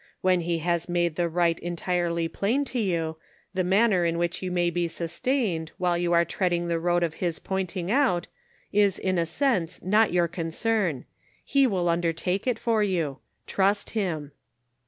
When he has made the right en tirely plain to you, the manner in which you may be sustained, while you are treading the road of his pointing out, is in a sense not your concern ; he will undertake it for you. Trust him."